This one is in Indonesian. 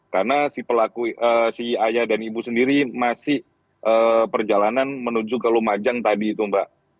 karena si pelaku si ayah dan ibu sendiri masih perjalanan menuju ke lumajang tadi itu mbak